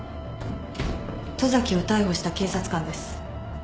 十崎を逮捕した警察官です。